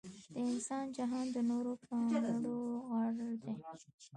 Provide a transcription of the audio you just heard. د انسان جهان د تورو کانړو غر دے